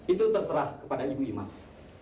itu terserah kepada ibu imas